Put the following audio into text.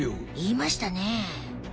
いいましたね。